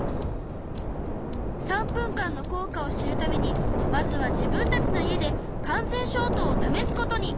３分間の効果を知るためにまずは自分たちの家で完全消灯を試すことに！